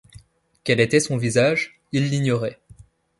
Quel était son visage, il l’ignorait.